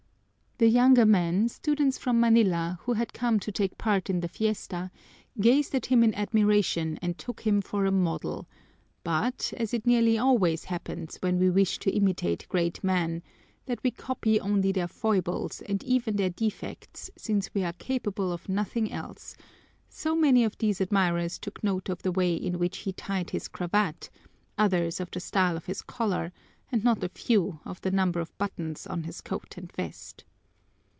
The younger men, students from Manila, who had come to take part in the fiesta, gazed at him in admiration and took him for a model; but, as it nearly always happens, when we wish to imitate great men, that we copy only their foibles and even their defects, since we are capable of nothing else, so many of these admirers took note of the way in which he tied his cravat, others of the style of his collar, and not a few of the number of buttons on his coat and vest.